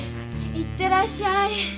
行ってらっしゃい。